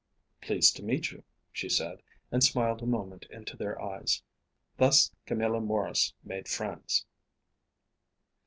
"Pleased to meet you," she said, and smiled a moment into their eyes. Thus Camilla Maurice made friends.